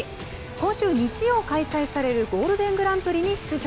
今週日曜開催されるゴールデングランプリに出場。